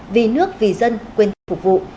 vì nước vì dân quyền phục vụ